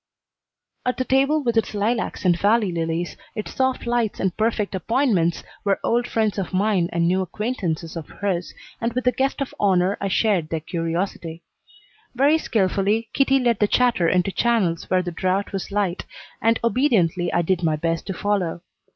At the table, with its lilacs and valley lilies, its soft lights and perfect appointments, were old friends of mine and new acquaintances of hers, and with the guest of honor I shared their curiosity. Very skilfully Kitty led the chatter into channels where the draught was light, and obediently I did my best to follow.